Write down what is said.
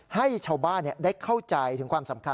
ให้ชาวบ้านได้เข้าใจถึงความสำคัญ